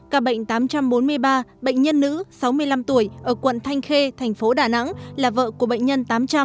ca bệnh tám trăm bốn mươi ba bệnh nhân nữ sáu mươi năm tuổi ở quận thanh khê thành phố đà nẵng là vợ của bệnh nhân tám trăm linh